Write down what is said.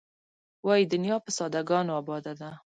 وایې دنیا په ساده ګانو آباده ده.